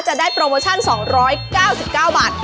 จะได้โปรโมชั่น๒๙๙บาท